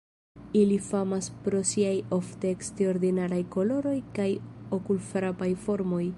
Ili famas pro siaj ofte eksterordinaraj koloroj kaj okulfrapaj formoj.